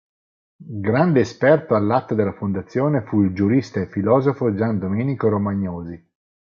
Grande Esperto all'atto della fondazione fu il giurista e filosofo Gian Domenico Romagnosi.